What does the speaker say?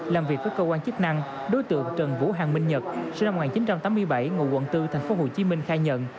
làm việc với cơ quan chức năng đối tượng trần vũ hàng minh nhật sinh năm một nghìn chín trăm tám mươi bảy ngụ quận bốn thành phố hồ chí minh khai nhận